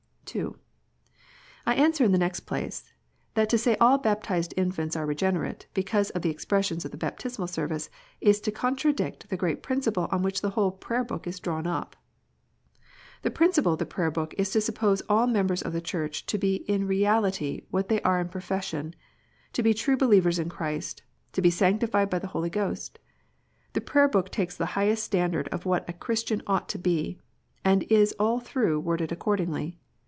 II. I answer, in the next place, that to say all baptized infants are regenerate, because of the expressions in the Baptismal Service, is to contradict the great principle on ivhich the whole Prayer book is drawn up. The principle of the Prayer book is to suppose all members of the Church to be in reality what they are in profession, to be true believers in Christ, to be sanctified by the Holy Ghost. The Prayer book takes the highest standard of what a Christian ought to be, and is all through worded accordingly.